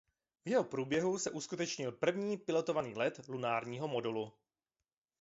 V jeho průběhu se uskutečnil první pilotovaný let lunárního modulu.